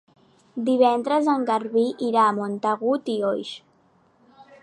Divendres en Garbí irà a Montagut i Oix.